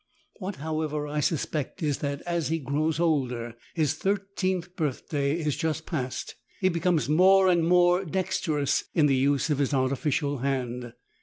What, however, I suspect is that as he grows older — his thirteenth birthday is just past — he be comes more and more dexterous in the use of his artificial hand.